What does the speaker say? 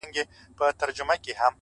o ښه به وي چي دا يې خوښـــه ســـوېده،